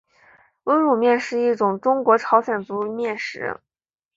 温卤面是一种中国朝鲜族面食。